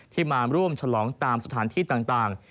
มาร่วมฉลองตามสถานที่ต่าง